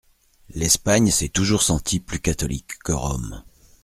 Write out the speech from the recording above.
L'Espagne s'est toujours sentie plus catholique que Rome.